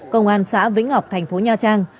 công an xã vĩnh ngọc thành phố nha trang